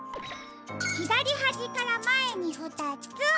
ひだりはじからまえにふたつ。